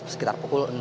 sekitar pukul enam